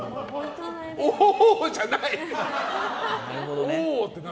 おおじゃない！